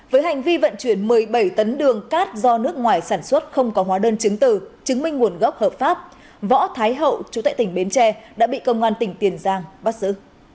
với hành vi vận chuyển một mươi bảy tấn đường cát do nước ngoài sản xuất không có hóa đơn chứng từ chứng minh nguồn gốc hợp pháp võ thái hậu chủ tại tỉnh bến tre đã bị công an tỉnh tiền giang bắt giữ